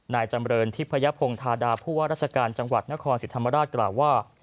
นายจำเรินทิพยพงธาดาผู้ว่าราชการจังหวัดนครศรีธรรมราชกล่าวว่า